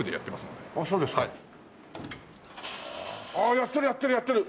やってるやってるやってる！